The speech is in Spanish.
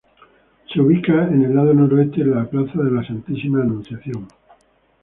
Se ubica en el lado noreste de la plaza de la Santísima Anunciación.